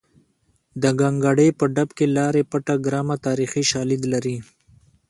د ګانګړې په ډب کې لاړې بټه ګرامه تاریخي شالید لري